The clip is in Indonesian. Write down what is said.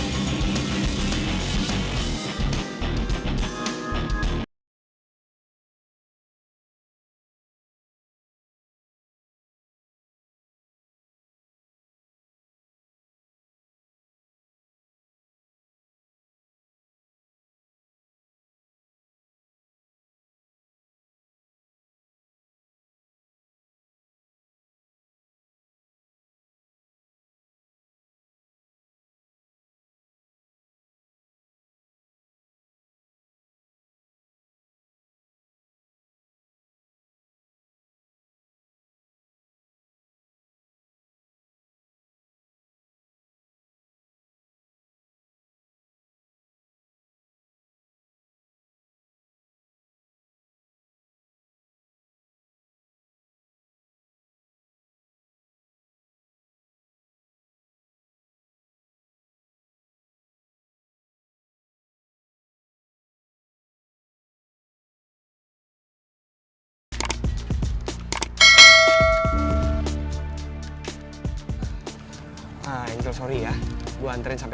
biar kita yang pancing mereka